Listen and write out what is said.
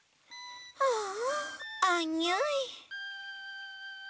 ああアンニュイ。